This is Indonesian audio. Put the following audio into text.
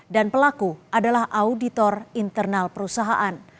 dan pelaku adalah auditor internal perusahaan